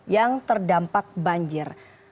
yang terdampak banjir